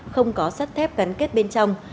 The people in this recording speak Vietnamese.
không có sắt thép gắn kết bên trong